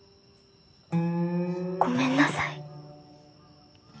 ごめんなさい。